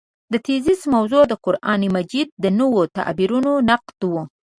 د تېزس موضوع د قران مجید د نویو تعبیرونو نقد و.